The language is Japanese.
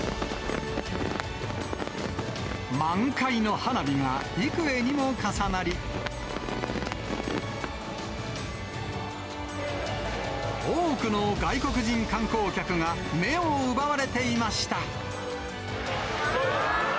満開の花火が幾重にも重なり、多くの外国人観光客が目を奪われていました。